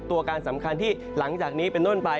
ตัวการสำคัญที่หลังจากนี้เป็นต้นไป